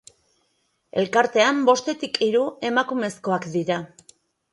Elkartean bostetik hiru emakumezkoak dira.